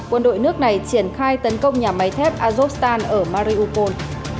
quân đội nước này triển khai tấn công nhà máy thép azovstan ở mariupol